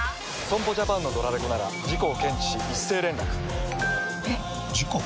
損保ジャパンのドラレコなら事故を検知し一斉連絡ピコンえっ？！事故？！